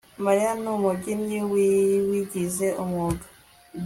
Mariya numubyinnyi wabigize umwuga